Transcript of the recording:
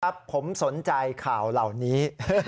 ครับผมสนใจข่าวเหล่านี้